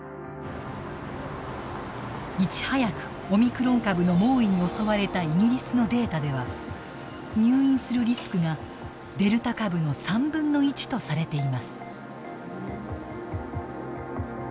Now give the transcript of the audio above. いち早くオミクロン株の猛威に襲われたイギリスのデータでは入院するリスクが、デルタ株の３分の１とされています。